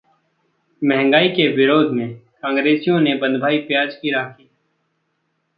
महंगाई के विरोध में कांग्रेसियों ने बंधवाई प्याज की राखी